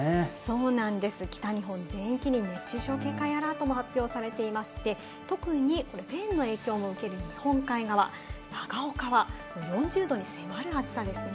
そうなんです、北日本全域に熱中症警戒アラートも発表されていまして、特にフェーンの影響も受ける日本海側、長岡は４０度に迫る暑さですね。